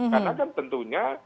karena kan tentunya